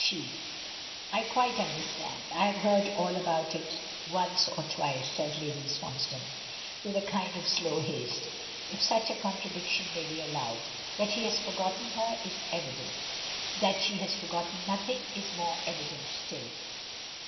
"She " "I quite understand. I have heard all about it once or twice," says Lady Swansdown, with a kind of slow haste, if such a contradiction may be allowed. That he has forgotten her is evident. That she has forgotten nothing is more evident still.